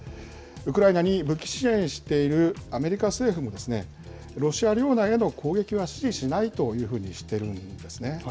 ウクライナに武器支援しているアメリカ政府も、ロシア領内への攻撃は支持しないというふうにしてるんですね。